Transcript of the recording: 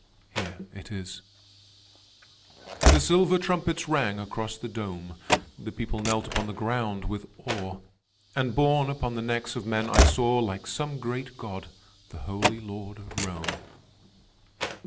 Here it is: "The silver trumpets rang across the Dome; The people knelt upon the ground with awe; And borne upon the necks of men I saw, Like some great God, the Holy Lord of Rome.